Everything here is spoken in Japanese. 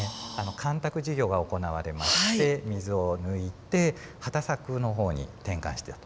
干拓事業が行われまして水を抜いて畑作の方に転換してると。